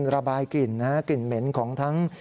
ระบายกลิ่นนะฮะกลิ่นเหม็นของทั้ง